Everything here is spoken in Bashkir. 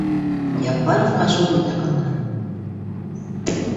Яппаровҡа шул етә ҡалды: